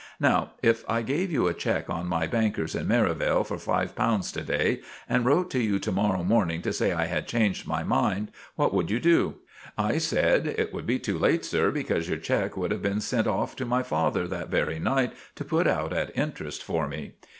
Now, if I gave you a check on my bankers in Merivale for five pounds to day, and wrote to you to morrow morning to say I had changed my mind, what would you do?' "I said, 'It would be too late, sir, because your check would have been sent off to my father that very night, to put out at interest for me.